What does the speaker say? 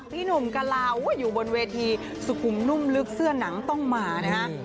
พี่หนุ่มก็ราวว่าอยู่บนเวทีสุกุมนุ่มลึกเสื้อนังต้องหมาเนี่ยคะ